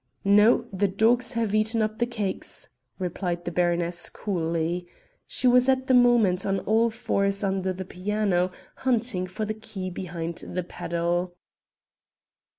"No, the dogs have eaten up the cakes," replied the baroness coolly. She was at the moment on all fours under the piano, hunting for the key behind the pedal.